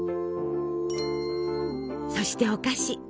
そしてお菓子。